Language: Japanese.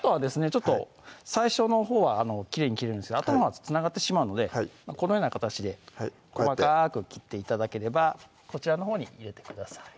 ちょっと最初のほうはきれいに切れるんですがあとのほうはつながってしまうのでこのような形で細かく切って頂ければこちらのほうに入れてください